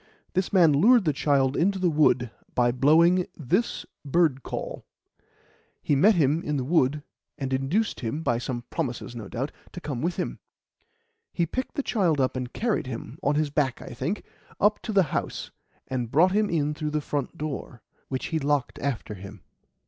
This man lured the child into the wood by blowing this bird call; he met him in the wood, and induced him by some promises, no doubt to come with him. He picked the child up and carried him on his back, I think up to the house, and brought him in through the front door, which he locked after him.